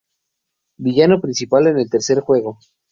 Villano principal en el tercer juego.